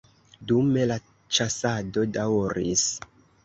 Dume la ĉasado daŭris.